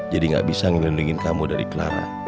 jadi gak bisa ngelindungi kamu dari clara